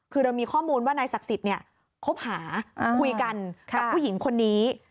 คือเรามีข้อมูลว่านายศักดิ์สิทธิ์คบหาคุยกันกับผู้หญิงคนนี้